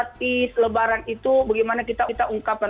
kemenangan itu bagaimana kita ungkapkan